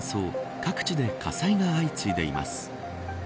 各地で火災が相次いでいます。